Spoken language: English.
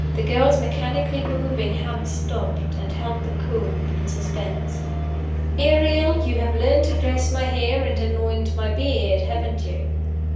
The girl's mechanically moving hand stopped, and held the comb in suspense. "Ariel! you have learned to dress my hair and anoint my beard, haven't you?"